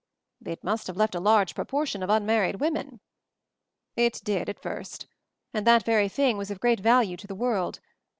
"It must have left a large proportion of unmarried women." "It did, at first. And that very thing was of great value to the world.